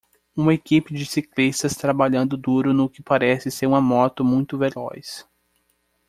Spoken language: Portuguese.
Uma equipe de ciclistas trabalhando duro no que parece ser uma moto muito veloz.